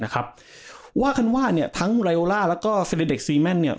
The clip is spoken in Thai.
นะครับว่าคันว่าเนี้ยทั้งลายโอร่าแล้วก็เนี้ย